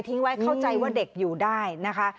ไว้เข้าใจว่าเด็กอยู่ได้นะคะ